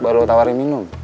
baru lu tawarin minum